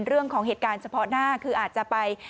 เรื่องของเหตุการณ์เฉพาะหน้าคืออาจจะไป